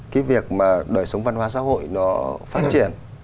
cái việc mà đời sống văn hóa xã hội nó phát triển